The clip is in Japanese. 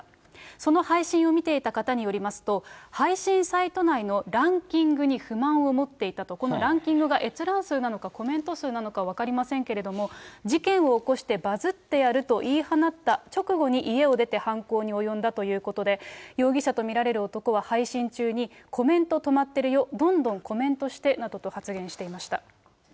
その配信を見ていた方によりますと、配信サイト内のランキングに不満を持っていたと、このランキングが閲覧数なのか、コメント数なのか分かりませんけれども、事件を起こしてバズってやると言い放った直後に家を出て犯行に及んだということで、容疑者と見られる男は配信中に、コメント止まってるよ、どんどんコメントしてなどと発言していました。